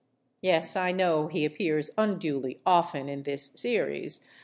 Yes, I know he appears unduly often in this series.